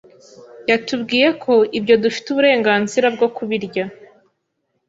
yatubwiye ko ibyo dufite uburenganzira bwo kubirya.